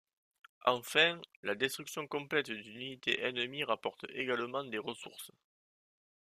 Enfin, la destruction complète d’une unité ennemie rapporte également des ressources.